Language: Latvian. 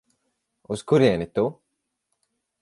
Uz kurieni tu?